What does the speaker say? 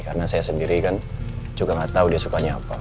karena saya sendiri kan juga gak tau dia sukanya apa